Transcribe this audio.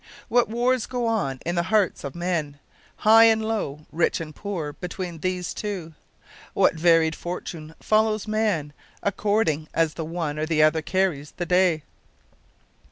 What wars go on in the hearts of men high and low, rich and poor between these two. What varied fortune follows man, according as the one or the other carries the day.